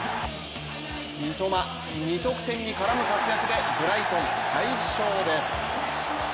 三笘、２得点に絡む活躍でブライトン、快勝です。